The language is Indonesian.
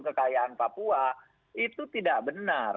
kekayaan papua itu tidak benar